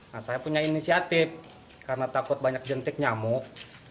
nah saya punya inisiatif karena takut banyak jentik nyamuk